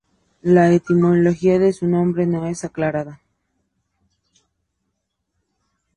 La etimología de su nombre no está aclarada.